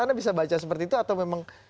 anda bisa baca seperti itu atau memang